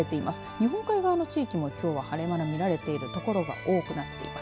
日本海側の地域もきょうは晴れ間の見られている所が多くなっています。